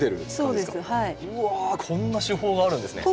うわこんな手法があるんですね。